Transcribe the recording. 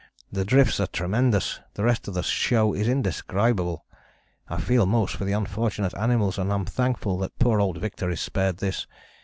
The drifts are tremendous, the rest of the show is indescribable. I feel most for the unfortunate animals and am thankful that poor old Victor is spared this.